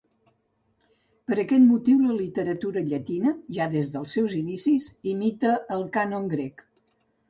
Per aquest motiu la literatura llatina, ja des dels seus inicis, imita el cànon grec.